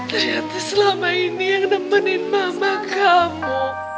ternyata selama ini yang nemenin mama kamu